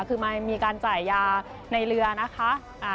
คือมันมีการจ่ายยาในเรือนะคะ